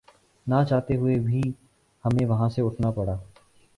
ناچاہتے ہوئے بھی ہمیں وہاں سے اٹھنا پڑا